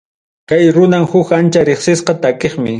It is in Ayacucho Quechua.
Kay runam huk ancha riqsisqa takiqmi.